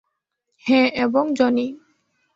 হ্যাঁ, এবং জনি।